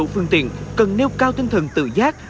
phương tiện cần nêu cao tinh thần tự giác